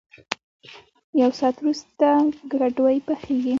یو ساعت ورست کټوۍ پخېږي.